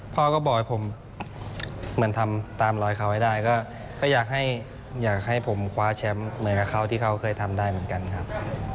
พ่อก็บอกให้ผมเหมือนทำตามรอยเขาให้ได้ก็อยากให้ผมคว้าแชมป์เหมือนกับเขาที่เขาเคยทำได้เหมือนกันครับ